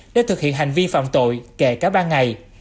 để thực hiện hành vi phạm tội kể cả ba ngày